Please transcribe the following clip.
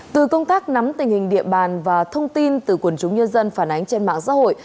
từ công tác nắm tình hình địa bàn và thông tin từ quần chúng nhân dân phản ánh trên mạng xã hội